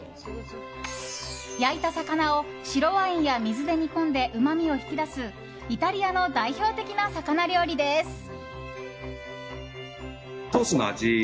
焼いた魚を白ワインや水で煮込んでうまみを引き出すイタリアの代表的な魚料理です。